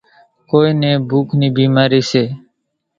ڪونئين نين ڀوُک نِي ڀِيمارِي سي۔